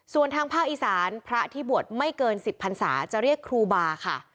ส่วนทางภาคอีสานพระที่บวชไม่เกิน๑๐พันศาจะเรียกครูบาค่ะ